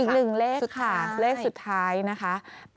อีกหนึ่งเลขค่ะเลขสุดท้ายนะคะ